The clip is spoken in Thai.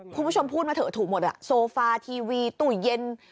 พูดมาเถอะถูกหมดอ่ะโซฟาทีวีตู้เย็น